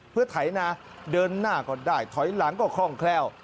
เพื่อไถนาเดินหน้าก็ได้ถอยหลังก็คล่องแคล่ว